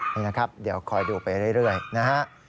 นี่นะครับเดี๋ยวคอยดูไปเรื่อยนะฮะ